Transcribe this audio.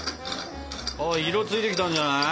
色ついてきたんじゃない？